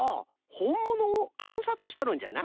ほんものをかんさつしとるんじゃな。